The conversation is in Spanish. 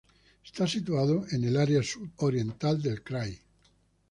Está situado en el área sudoriental del krai.